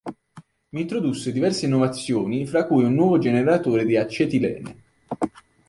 Vi introdusse diverse innovazioni, fra cui un nuovo generatore di acetilene.